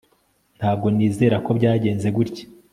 Ntabwo nizera ko byagenze gutya